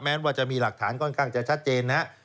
ว่าจะมีหลักฐานค่อนข้างจะชัดเจนนะครับ